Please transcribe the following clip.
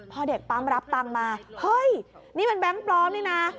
พอเด็กปั๊มรับตังค์มาเฮ้ยนี่มันแบงค์ปลอมนี่นะ